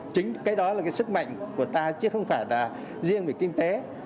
chính cái đó là sức mạnh của ta chứ không phải riêng về kinh tế